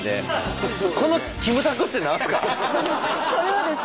これはですね